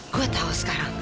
gue tahu sekarang